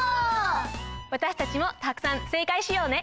わたしたちもたくさん正かいしようね！